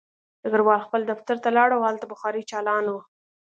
ډګروال خپل دفتر ته لاړ او هلته بخاري چالان وه